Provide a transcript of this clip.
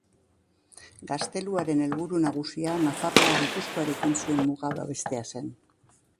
Gazteluaren helburu nagusia Nafarroa Gipuzkoarekin zuen muga babestea zen.